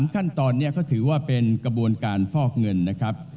ขั้นตอนนี้ก็ถือว่าเป็นกระบวนการฟอกเงินนะครับ